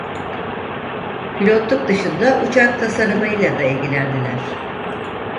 Pilotluk dışında uçak tasarımıyla da ilgilendiler.